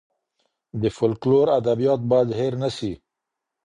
د فولکلور ادبيات بايد هېر نه سي.